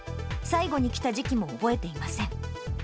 最後に来た時期も覚えていません。